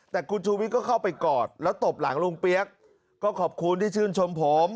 แต่คุณชูวิทย์ก็เข้าไปกอดแล้วตบหลังลุงเปี๊ยกก็ขอบคุณที่ชื่นชมผม